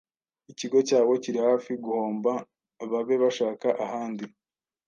Ikigo cyabo kiri hafi guhomba babe bashaka ahandi.